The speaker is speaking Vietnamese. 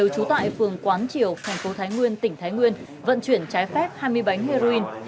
trú tại phường quán triều thành phố thái nguyên tỉnh thái nguyên vận chuyển trái phép hai mươi bánh heroin